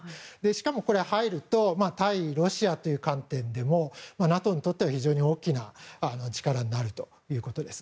しかも入ると対ロシアという観点でもＮＡＴＯにとっては非常に大きな力になるということです。